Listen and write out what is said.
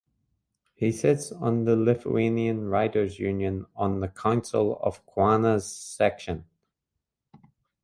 He sits on the Lithuanian Writers’ Union on the Council of Kaunas Section.